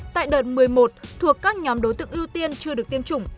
tại đợt một mươi một thuộc các nhóm đối tượng ưu tiên chưa được tiêm chủng